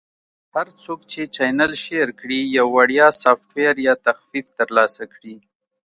- هر څوک چې چینل Share کړي، یو وړیا سافټویر یا تخفیف ترلاسه کړي.